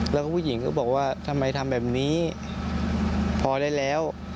แล้วก็ผู้หญิงก็บอกว่าทำไมทำแบบนี้พอได้แล้ว